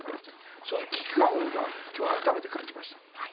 そういう危機感を僕は今日改めて感じました。